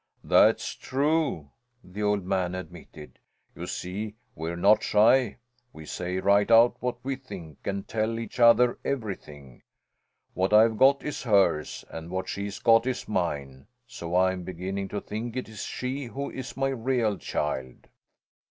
"That's true," the old man admitted. "You see, we're not shy; we say right out what we think and tell each other everything. What I've got is hers, and what she's got is mine; so I'm beginning to think it is she who is my real child."